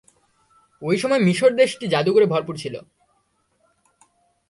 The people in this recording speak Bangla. ঐ সময় মিসর দেশটি জাদুকরে ভরপুর ছিল।